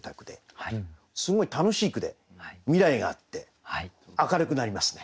すごい楽しい句で未来があって明るくなりますね。